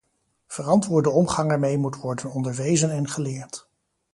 Verantwoordelijke omgang ermee moet worden onderwezen en geleerd.